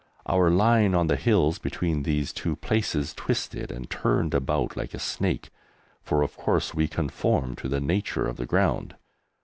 Our line on the hills between these two places twisted and turned about like a snake, for of course we conformed to the nature of the ground.